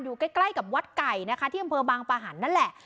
อยู่ใกล้กับวัดไก่นะคะที่อำเภอบางปะหันนั่นแหละ